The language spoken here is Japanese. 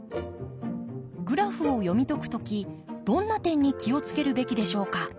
グラフを読み解く時どんな点に気を付けるべきでしょうか？